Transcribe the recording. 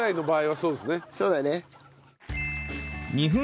そうだね。